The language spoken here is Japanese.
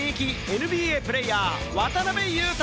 ＮＢＡプレーヤー・渡邊雄太